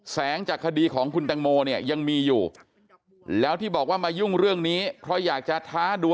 แสงจากคดีของคุณแตงโมเนี่ยยังมีอยู่แล้วที่บอกว่ามายุ่งเรื่องนี้เพราะอยากจะท้าดู